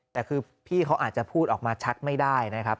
แต่คือพี่เขาอาจจะพูดออกมาชัดไม่ได้นะครับ